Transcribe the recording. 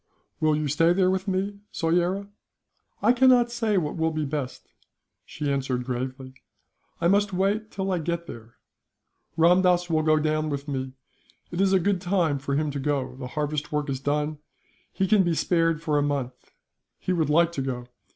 "Will you stay there with me, Soyera?" "I cannot say what will be best," she answered, gravely; "I must wait till I get there. Ramdass will go down with me. It is a good time for him to go. The harvest work is done, he can be spared for a month. He would like to go.